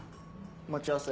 待ち合わせ。